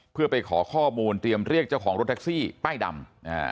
เพื่อไปขอข้อมูลเตรียมเรียกเจ้าของรถแท็กซี่ป้ายดำ